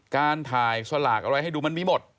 การถ่ายสลากอะไรให้ดูมันมีหมด